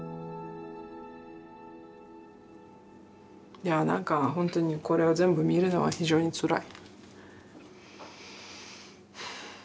いやぁなんか本当にこれを全部見るのは非常につらい。